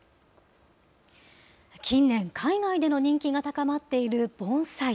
近年、海外での人気が高まっている盆栽。